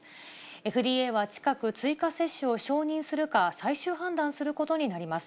ＦＤＡは近く、追加接種を承認するかどうか最終判断することになります。